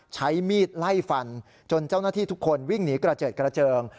ใช้มีดไล่ฟันจนเจ้าหน้าที่ทุกคนวิ่งหนีกระเจิดกระเจิง